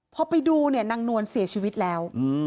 พอไปดูเนี่ยนางนวลเสียชีวิตแล้ว